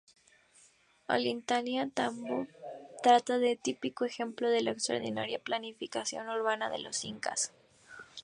Ollantaytambo trata de un típico ejemplo de la extraordinaria planificación urbana de los incas.